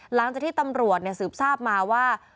หลังจากที่ตำรวจสืบทราบมาว่า